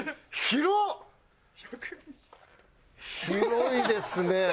広いですね。